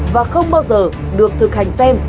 và không bao giờ được thực hành xem